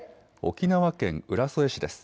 沖縄県浦添市です。